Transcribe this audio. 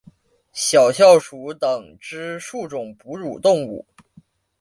小啸鼠属等之数种哺乳动物。